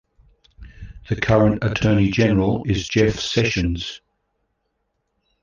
The current Attorney General is Jeff Sessions.